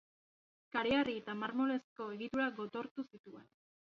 Kareharri eta marmolezko egiturak gotortu zituen.